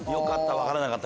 分からなかった。